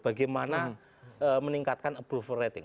bagaimana meningkatkan approval rating